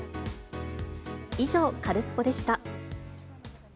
以上、カルスポっ！でした。